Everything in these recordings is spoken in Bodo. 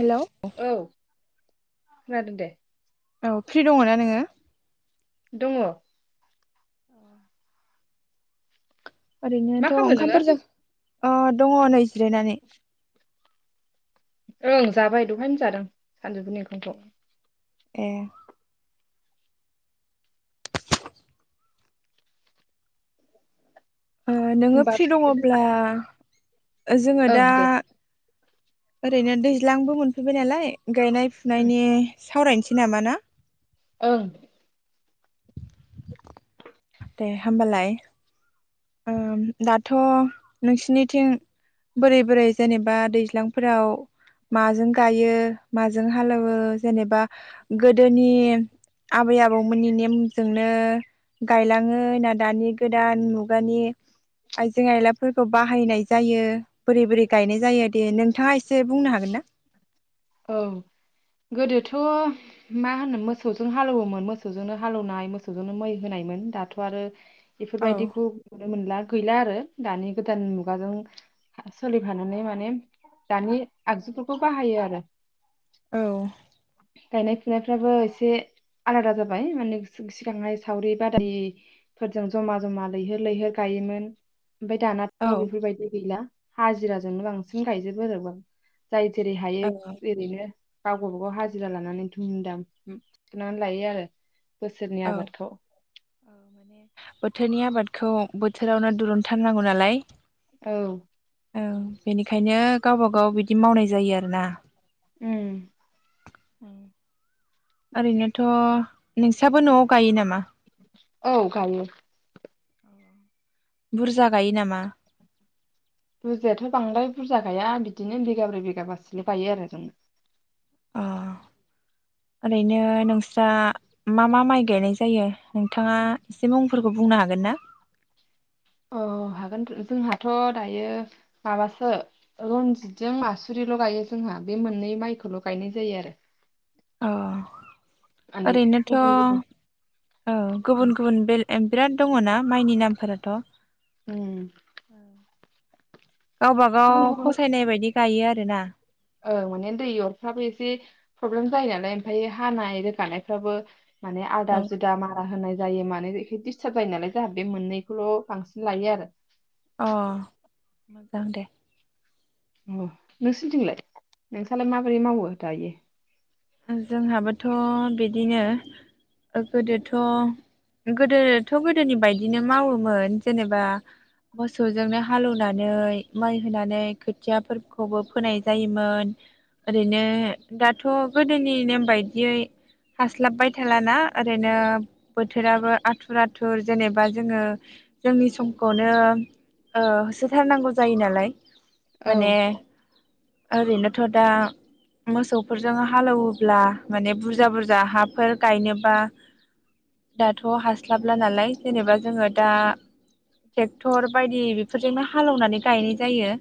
औ खोनादों दे औ फ्रि दङना नोङो दङ औ मा ओरैनोथ' खालामदों नोङो ओंखामफोर जा अ दङ नै जिरायनानै ओं जाबाय दहायनो जादों सानजौफुनि ओंखामखौ ए ओ नोङो होमबा फ्रि दङब्ला जोङो ओं दा दे ओरैनो दैज्लांबो मोनफैबाय नालाय। गायनाय फुनायनि सावरायनोसै नामा ना। ओं। दे होमबालाय ओ दाथ' नोंसिनिथिं बोरै बोरै जेनेबा दैज्लांफोराव माजों गायो माजों हालेवो जेनेबा गोदोनि आबै आबौमोननि नेमजोंनो गायलाङो ना दानि गोदान मुग गानि आइजें आइलाफोरखौ बाहायनाय जायो बोरै बोरै गायनाय जायो दे नोंथाङा एसे बुंनो हागोन ना? औ गोदोथ' मा होनो मोसौजों हालेवोमोन मोसौजोंनो हालौवनाय मोसौजोंनो मै होनायमोन दाथ' आरो औ बेफोरबायदिखौ नुनो मोनला गैला आरो। दानि गोदान मुगाजों सलि फानानानै माने दानि आगजुफोरखौ बाहायो आरो। औ। गायनाय फुनायफ्राबो एसे आलादा जाबाय माने सि-सिगांहाय सावरि बादालि फोरजों जमा जमा लैहोर लैहोर गायोमोन। ओमफाय औ दानाथ' बेफोरबायदि गैला। हाजिराजोंनो बांसिन गायजोबो आरो बाम। जाय जेरै हायो नो गावबा गाव हाजिरा लानानै धुम दाम [unintelligible] लायो आरो। बोसोरनि औ आबादखौ बोथोरनि आबाद खौ बोथोरावनो दुरुनथारनांगौ नालाय। औ। औ बेनिखायनो गावबा गाव बिदि मावनाय जायो आरोना। उ। उम। ओरैनोथ' नोंसाबो न'आव गायो नामा? औ गायो। बुरजा गायो नामा? बुरजायाथ' बांद्राय बुरजा गाया बिदिनो बिगाब्रै बिगाबासोल' गायो आरो जों। अ ओरैनो नोंस्रा मा मा माइ गायनाय जायो नोंथाङा एसे मुंफोरखौ बुंनो हागोन ना? औ हागोन जोंहाथ' दायो माबासो रनजितजों मासुरिल' गायो जोंहा बे मोननै माइखौल' गायनाय जायो आरो। अ। माने ओरैनोथ' गुबुन गुबुन ओ गुबुन गुबुन बेल एम बिराद दङ' ना माइनि नामफोराथ'? औ। उम गावबा गुबुन गाव गुबुन फसायनाय बायदि गायो आरोना? औ माने दै अरफ्राबो एसे प्रब्लेम जायो नालाय ओमफ्राय हानाय रोगानायफ्राबो माने आदा औ जुदा मारा होनाय जायो मानो बे डिस्टार्ब जायो नालाय जाहाते बे मोननैखौल' बांसिन लायो आरो। अ मोजां दे। अ नों सिथिंलाय नोंसालाय माबोरै मावो दायो? ओं जोंहाबोथ' बिदिनो गोदोथ' गोदोथ' गोदोनि बायदिनो मावोमोन जेनेबा मोसौजोंनो हालेवनानै माइ होनानै खोथियाफोरखौबो फोनाय जायोमोन ओरैनो दाथ' गोदोनि नेम बायदियै हास्लाबबाय थालाना ओरैनो बोथोराबो आथुर आथुर जेनेबा जोङो जोंनि समखौनो ओ होसोथारनांगौ जायो नालाय। औ माने ओं ओरैनोथ' दा मोसौफोरजों हालौवोब्ला माने बुरजा बुरजा हाफोर गायनोबा दाथ' हास्लाबला नालाय जेनेबा जोङो दा ट्रेक्टर बायदि बेफोरजोंनो हालेवनानै गायनाय जायो।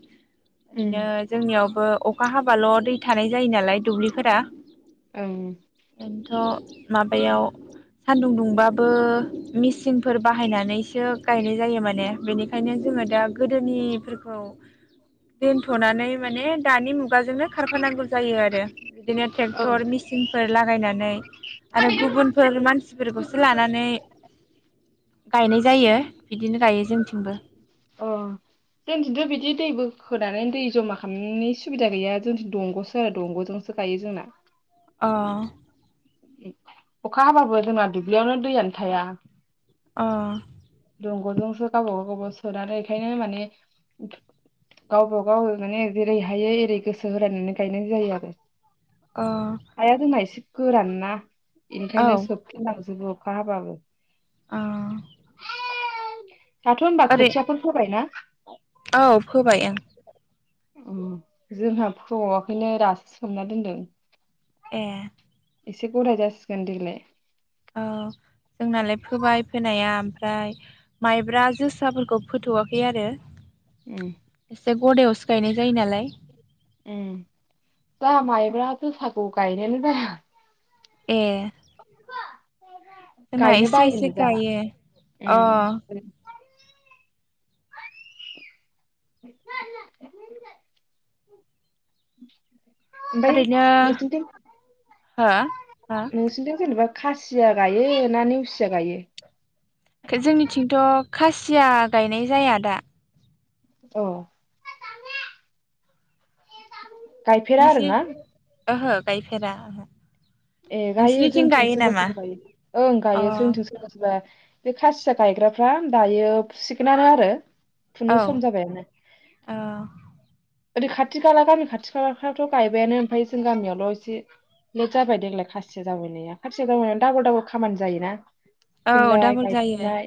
ओरैनो जोंनियाव बो अखा हाबाल' दै थानाय जायो नालाय दुब्लि फोरा। ओं बेनथ' माबायाव सान्दुं दुंबाबो मेचिनफोर बाहायनानैसो गायनाय जायो माने बेनिखायनो जोङो दा गोदोनिफोरखौ दोनथ'नानै माने दानि मुगाजोंनो खारफानांगौ जायो आरो। बिदिनो ओं टेक्टर मेसिन फोर लागायनानै आरो गुबुनफोर मानसिफोरखौसो लानानै गायनाय जायो बिदिनो गायो जोंथिंबो जोंथिथ बिदि दै बोखोनानै दै जमा खालामनायनि सुबिदा गैया जों दंगसो आरो दंगजोंसो गायो जोंना अ अखा हाबाबो जोंना दुब्लियावनो दैयानो थाया अ दंगजोंसो गावब गाव गावाव सोनानै बेखायनो माने गावब गाव माने जेरै हायो एरै गोसो होलायनानै गायनाय जायो आरो अ हाया जोंना एसे गोरान ना औ ओंखायनो सोबथनांजोबो अखाहाबाबो अ दाथ होनबा ओरै खोथियाफोर फोबायना औ फोबाय ओं [inaudible] ओम जोंहा फबावाखायनो दासो सोमना दोनदों ए एसे गदाय जासिगोन देग्लाय औ जोंनालाय फोबाय फोनाया ओमफ्राय माइब्रा जोसाफोरखौ फोथवाखै आरो ओम एसे गदायावसो गायनाय जायो नालाय ओम जोंहा माइब्रा जोसाखौ गायनायानो जाया ए जोंना गायनो एसे एसे बायोनो जाहा गायो अ ओमफ्राय [unintelligible] [unintelligible] ओमफाय ओरैनो नोंसिनिथिं हो हो नोंसिनिथिं जेनेबा खासिया गायो ना नेवसिया गायो? खो जोंनिथिंथ खासिया गायनाय जाया दा। औ [inaudible] गायफेरा आरो नोंसिनि ना? ओहो गायफेरा ओहो। ए गायो नोंसिनिथिं जोंथि गायो सोरबा नामा सोरबा गायो ओं अ गायो जोंथि सोरबा सोरबा खासिया गायग्राफ्रा दायो फुसिगोनानो आरो फुनो औ सम जाबायानो। औ ओरै खाथि खाला गामि खाथि खालाफ्रावथ गायबायानो ओमफ्राय जों गामियावल' एसे लेट जाबाय देग्लाय खासिया जावैनाया खासिया जावैनाय दाबल दाबल खामानि जायोना। औ फुफिननाय डाबल जायो। गायफिननाय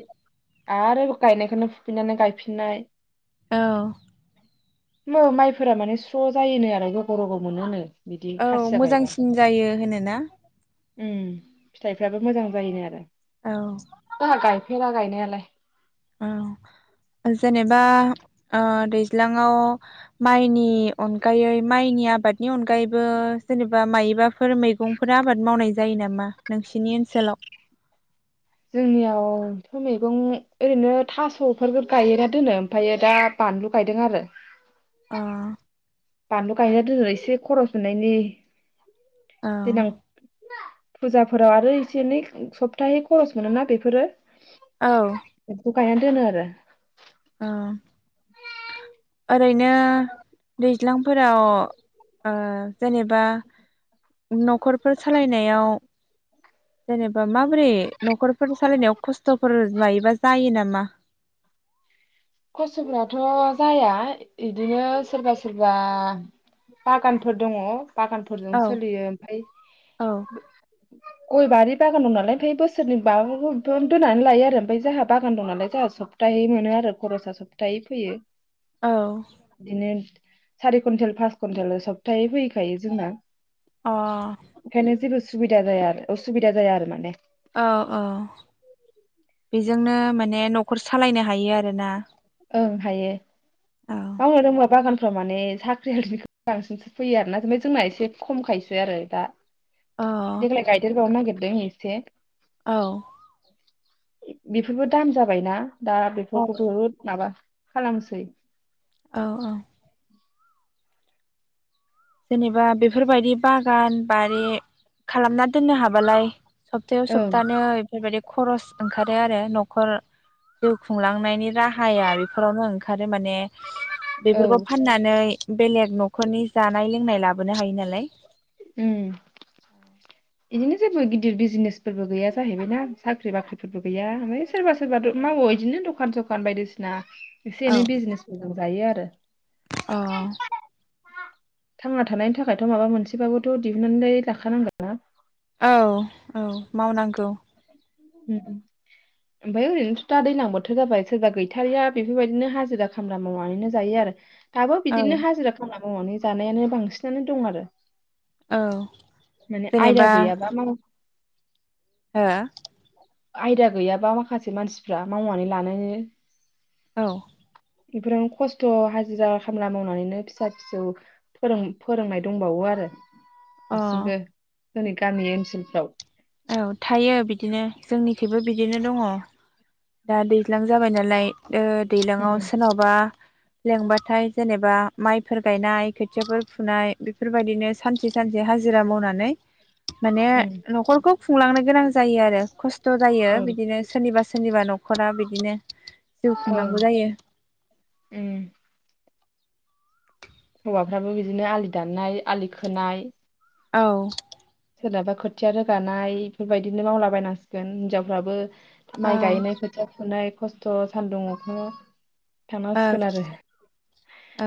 आरो गायनायखौनो फुफिननानै गायफिननाय औ मो माइफोरा माने स्र' जायोनो आरो रग' रग' मोनोनो। बिदि औ खासिया गायबा मोजांसिन जायो होनोना? उम फिथाइफ्राबो मोजां जायोनो आरो। औ। जोंहा गायफेरा गायनायालाय। औ जेनेबा ओ दैज ज्लाङाव माइनि नि अनगायै माइनि आबाद नि अनगायैबो जेनेबा मायबाफोर मैगंफोर आबाद मावनाय जायो नामा नोंसिनि ओनसोलाव? जोंनियावथ' मैगं ओरैनो थास'फोरबो गायो दोनो ओमफायो दा बानलु गायदों आरो। अ बानलु गायना दोनो एसे खरस मोननायनि। औ देनां फुजाफोराव आरो एसे एनै सप्ताहै खरस मोनोना बेफोरो। औ। गायनान दोनो आरो। औ ओरैनो दैज ज्लांफोराव ओ जेनेबा न'खरफोर सालायनायाव जेनेबा माबोरै न'खरफोर सालायनायाव खस्थ'फोर मायोबा जायो नामा? खस्थ'फ्राथ' जाया इदिनो सोरबा सोरबा बागानफोर दङ बागानफोरजों औ सोलियो ओमफाय औ गय बारि बागान दं नालाय ओमफफ्राय बोसोरनि माब दोननानै लायो आरो ओमफफ्राय जोंहा बागान दं नालाय जोंहा सप्ताहै मोनो आरो खरसाआ सप्तै फैयो औ दिनो सारि कुवन्टेल पास कुवन्टेल सब्थायै फैखायो जोंना अ ओंखायनो जेबो सुबिदा जाया आरो असुबिदा जाया आरो माने औ औ बेजोंनो माने न'खर सालायनो हायो आरोना ओं हायो औ मावनो रोंबा बागान माने साख्रि हिखौ बांसिनसो फैयो आरोना जाय जोंना एसे खमखायोसो आरो दा औ बेेदलाय गायदेर गाव न गेल दों एसे। औ। बेफोरबो दाम जाबायना? दा औ बिफोरखौथ' [unintelligible] खालामसै। औ औ। जेनेबा बेफोरबायदि बागान बारि खालामना दोननो हाबालाय सप्तायाव ओं सप्तानो बेफोरबायदि खरस ओंखारो आरो न'खर जिउ खुंलांनायनि राहाया बेफोरावनो ओंखारो माने औ बेफोरखौ फाननानै बेलेग न' ख'रनि जानाय लोंनाय लाबोनो हायो नालाय उम। औ। बिदिनो जेबो गिदिर बिजनेसफोरबो गैया जाहैबाय ना साख्रि बाख्रिफोरबो गैया ओम सोरबा सोरबाथ' मावो बिदिनो दखान सख खान बायदिसिना एसे औ एनै बिजनेस फोरजों जायो आरो। दो। औ। थांना थानायनि थाखायथ' माबा मोनसेबाबोथ' दिहुननानैनानै लाखानांगोन। हो? औ औ मावनांगौ। उम उम ओमफ्राय ओरैनोथ' दा दैजलां बोथोर जाबाय सोरबा गैथारिया बेफोरबायदिनो हाजिरा खामला मावनानैनो जायो आरो। थाबो औ बिदिनो हाजिरा खोमा मावनानै जानायानो बांसिनानो दं आरो। औ। माने आयदा गैयाबा माव हा? आयदा गैयाबा माखासे मानसिफ्रा मावनानै लानो औ। बेफोरावनो खस्थ' हाजिरा खामला मावनानैनो फिसा फिसौ फोरों फोरोंनाय दंबावो आरो। अ दासिमबो जोंनि गामि ओनसोलफ्राव। औ थायो बिदिनो जोंनिखैबो बिदिनो दङ। दा दैज्लां जाबाय नालाय। ओ दैलांआव उम सोरनावबा लेंबाथाय जेनेबा माइफोर गायनाय खोथियाफोर फुनाय बेफोरबायदिनो सानसे सानसे हाजिरा मावनानै माने उम न'खरखौ खुंलांनो गोनांज जायो आरो खस्थ' जायो ओं बिदिनो सोरनिबा [unintelligible] न'खरा बिदिनो जिउ ओं खुंनांगौ जायो उम हौवाफ्राबो बिदिनो आलि दाननाय आलि खोनाय औ सोरनाबा खोथिया रोगानाय इफोरबायदिनो मावलाबायनांसिगोन हिनजावफ्राबो औ माइ गायनाय खोथिया फुनाय खस्थ' सान्दुं अखायाव औ थांनांसिगोन आरो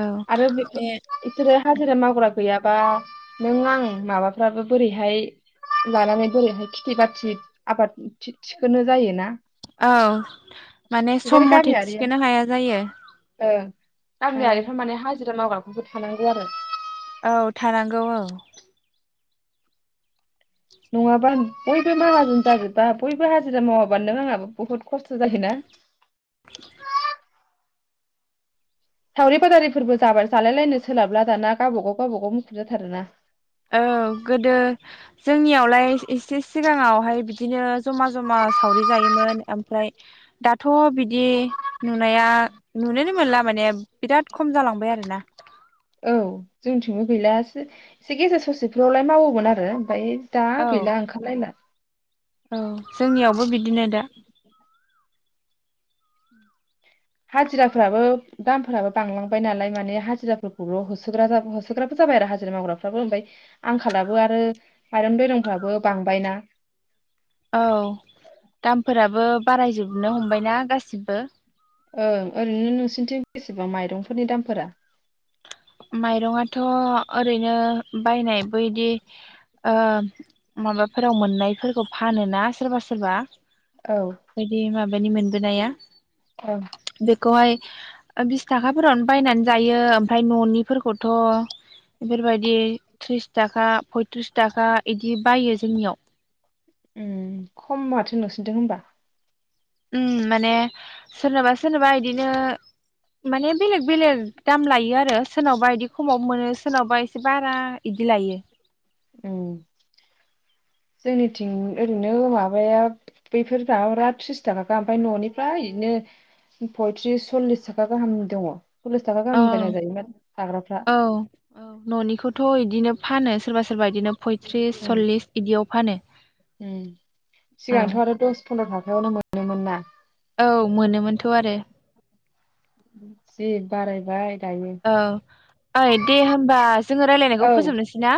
औ आरो बेफो बे बिसोरो हाजिरा मावग्रा गैयाबा नों आं माबाफ्राबो बोरैहाय लानानै बोरैहाय खिथि बाथि आबाद थि थिखोनो जायोना औ माने बेखायनो सम मथे गामियारिया थिखोनो हाया जायो ओं औ गामियारिफ्रा [unintelligible] मावग्राफोरबो थानांगौ आरो औ थानांगौ औ नङाबा बयबो माहाजोन जाजोबबा बयबो हाजिरा मावाबा नों आंहाबो बुहुत खस्थ' जायोना। [inaudible] सावरि बादारिफोरबो जाबाय जालायलायनो सोलाबला दाना गावबागाव गावबागाव मुखुब जाथारोना औ गोदो जोंनियावलाय एसे सिगाङावहाय बिदिनो जमा जमा सावरि जायोमोन ओमफ्राय दाथ' बिदि नुनाया नुनोनो मोनला माने बिराद खम जालांबाय आरोना औ जोंनिथिंबो गैला एसे गेजेर ससेफोरावलाय मावोमोन आरो ओमफ्राय दा औ गैला ओंखारलायला औ जोंनियावबो बिदिनो दा हाजिराफ्राबो दामफोराबो बांलांबाय नालाय माने हाजिराफोरखौल' होसोग्रा जाब होसोग्राबो जाबाय आरो हाजिरा मावग्राफ्राबो ओमफ्राय आंखालाबो आरो माइरं दैरंफ्राबो बांबायना औ दामफोराबो बारायजोबनो हमबायना गासिबो ओं ओरैनो नोंसोरनिथिं बेसेबां माइरंफोरनि दामफोरा? माइरङाथ' ओरैनो बायनाय बैदि ओ माबाफोराव मोननायफोरखौ फानोना सोरबा सोरबा। औ बैदि माब बैनि मोनबोनाया। औ खौहाय बिस थाखाफोरावनो बायनानै जायो आमफ्राय न'निफोरखौथ' बेफोरबायदि थ्रिस थाखा पयथ्रिस थाखा इदि बायो जोंनियाव। ओ खम माथो नोंसिनिथिं होमबा। ओम माने सोरनोबा सोरनोबा इदिनो माने बेलेग बेलेग दाम लायो आरो सोरनावबा इदि खमाव मोनो सोरनावबा एसे बारा इदि लायो। ओम जोंनिथिं ओरैनो माबाया बैफोर माबाफ्रा थ्रिस थाखा गाहाम ओमफ्राय न'निफ्रा इदिनो पयथ्रिस सल्लिस थाखा गाहाम दङ। सल्लिस थाखा औ गाहामनि बायना जायोमोन जाग्राफ्रा औ औ न'निखौथ' बिदिनो फानो सोरबा सोरबा बिदिनो फयथ्रिस उम सल्लिस बिदियाव फानो उम औ। सिगांथ' आरो दस फन्द्र' थाखायावनो मोनोमोन ना। औ मोनोमोनथ' आरो। जि बारायबाय। दायो औ ओइ दे होमबा जोङो रायजलायनायखौ औ फोजोबनोसै ना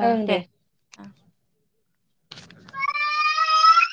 औ दे। [inaudible]